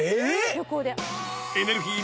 旅行で。